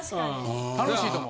楽しいと思う。